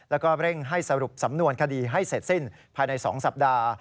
แล้วก็เร่งให้สรุปสำนวนคดีให้เสร็จสิ้นภายใน๒สัปดาห์